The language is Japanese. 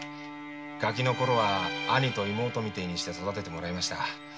ガキのときは兄と妹みてえに育ててもらいました。